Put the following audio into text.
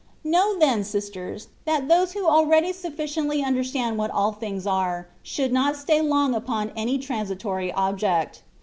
Know then, sisters, that those who already suffi ciently understand what all things are, should not stay long upon any transitory object.